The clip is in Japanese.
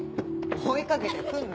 追い掛けてくんなって。